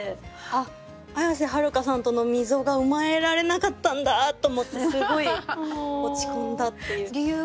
「あっ綾瀬はるかさんとの溝が埋められなかったんだ」と思ってすごい落ち込んだっていう。